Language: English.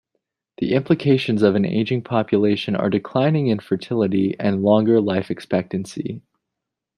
The implications of an aging population are declining in fertility and longer life expectancy.